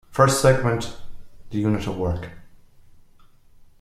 First segment the unit of work.